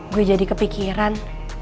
gue jadi kepikiran